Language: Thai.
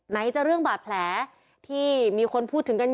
ไหนจะเรื่องบาดแผลที่มีคนพูดถึงกันอยู่